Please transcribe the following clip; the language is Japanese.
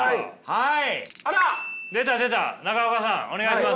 はい。